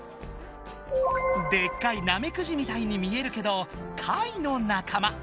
でっかいなめくじみたいに見えるけど貝の仲間。